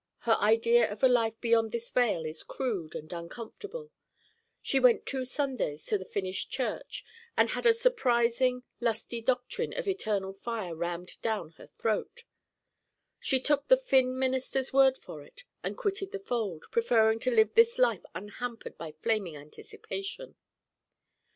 Her idea of a life beyond this vale is crude and uncomfortable. She went two Sundays to the Finnish church and had a surprising lusty doctrine of eternal fire rammed down her throat: she took the Finn minister's word for it and quitted the fold, preferring to live this life unhampered by flaming anticipation.